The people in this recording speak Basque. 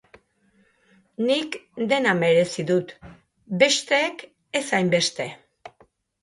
Nik dena merezi dut; besteek ez hainbeste.